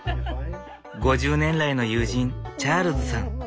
５０年来の友人チャールズさん。